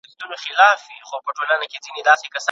د ټولنيزو ځواکونو مشرتوب به تل د سياستوالو پر غاړه وي.